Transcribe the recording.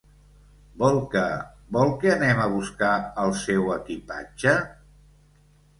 Vol que, vol que anem a buscar el seu equipatge?